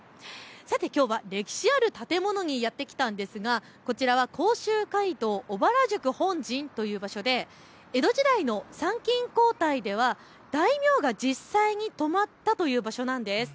きょうは歴史ある建物にやって来たんですが、こちらは甲州街道小原宿本陣という場所で江戸時代の参勤交代では大名が実際に泊まったという場所なんです。